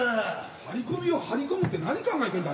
張り込みを張り込むって何考えてんだ？